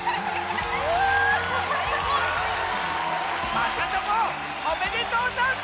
まさともおめでとうざんす！